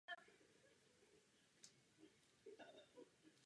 Mají spolu syna Samuela Johna.